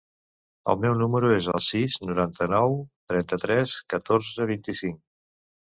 El meu número es el sis, noranta-nou, trenta-tres, catorze, vint-i-cinc.